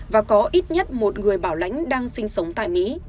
và có ít nhất một người bảo lãnh đang sinh sống tại mỹ